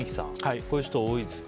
こういう人、多いですか？